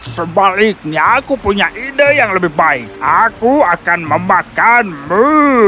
sebaliknya aku punya ide yang lebih baik aku akan memakanmu